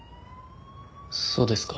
そうですか。